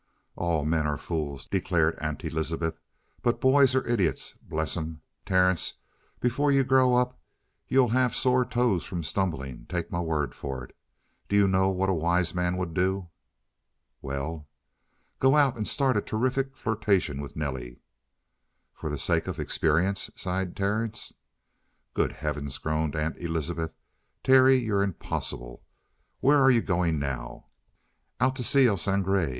"All men are fools," declared Aunt Elizabeth; "but boys are idiots, bless 'em! Terence, before you grow up you'll have sore toes from stumbling, take my word for it! Do you know what a wise man would do?" "Well?" "Go out and start a terrific flirtation with Nelly." "For the sake of experience?" sighed Terence. "Good heavens!" groaned Aunt Elizabeth. "Terry, you're impossible! Where are you going now?" "Out to see El Sangre."